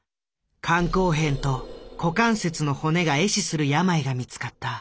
肝硬変と股関節の骨が壊死する病が見つかった。